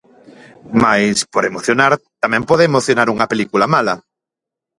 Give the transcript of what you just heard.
Mais, por emocionar, tamén pode emocionar unha película mala.